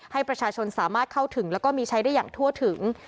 ให้ประชาชนสามารถเข้าถึงแล้วก็มีใช้ได้อย่างทั่วถึง